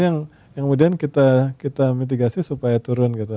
yang kemudian kita mitigasi supaya turun gitu